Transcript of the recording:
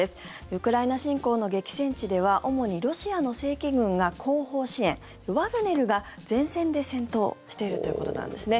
ウクライナ侵攻の激戦地では主にロシアの正規軍が後方支援ワグネルが前線で戦闘しているということなんですね。